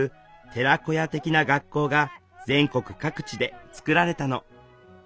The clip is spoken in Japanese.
寺子屋的な学校が全国各地で作られたの。